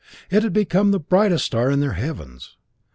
It had become the brightest star in their heavens.